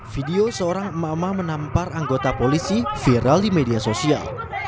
video seorang emak emak menampar anggota polisi viral di media sosial